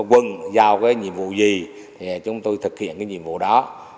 quân giao cái nhiệm vụ gì thì chúng tôi thực hiện cái nhiệm vụ đó